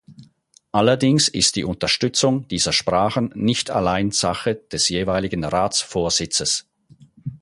Allerdings ist die Unterstützung dieser Sprachen nicht allein Sache des jeweiligen Ratsvorsitzes.